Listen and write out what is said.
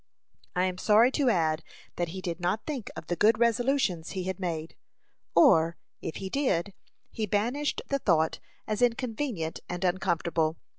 I am sorry to add that he did not think of the good resolutions he had made; or, if he did, he banished the thought as inconvenient and uncomfortable.